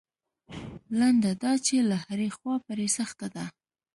لنډه دا چې له هرې خوا پرې سخته ده.